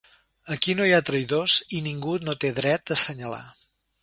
Aquí no hi ha traïdors i ningú no té dret d’assenyalar.